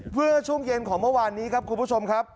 เมื่อช่วงเย็นของเมื่อวานนี้ครับคุณผู้ชมครับ